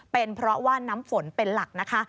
เป็นเพราะว่าน้ำฝนเป็นหลักนะคะ